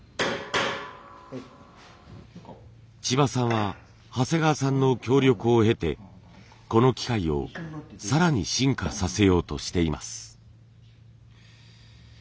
千葉さんは長谷川さんの協力を得てこの機械を更に進化させようとしています。